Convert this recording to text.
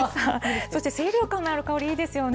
そして清涼感のある香りいいですよね。